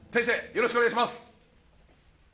よろしくお願いします